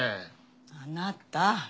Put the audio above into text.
あなた。